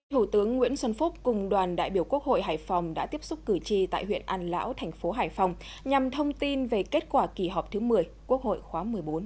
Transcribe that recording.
thủ tướng nguyễn xuân phúc cùng đoàn đại biểu quốc hội hải phòng đã tiếp xúc cử tri tại huyện an lão thành phố hải phòng nhằm thông tin về kết quả kỳ họp thứ một mươi quốc hội khóa một mươi bốn